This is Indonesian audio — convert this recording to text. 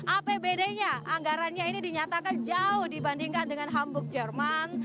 apbd nya anggarannya ini dinyatakan jauh dibandingkan dengan hamburg jerman